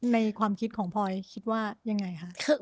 ในความคิดของพลอยคิดว่ายังไงคะ